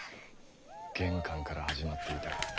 玄関から始まっていたからな。